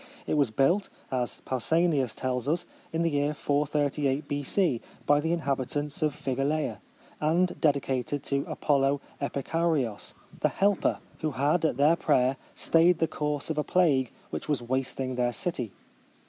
It was built, as Pausanias tells us, in the year 438 B.C., by the inhabitants of Phigaleia, and dedicated to Apollo Epikourios — the Helper — who had, at their prayer, stayed the course of a plague which was wasting their city.